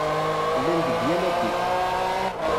Llan deg yal adeg.